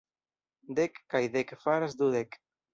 Dek kaj dek faras dudek.